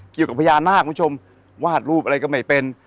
เกี่ยวกับพญานาคคุณผู้ชมวาดรูปอะไรก็ไม่เป็น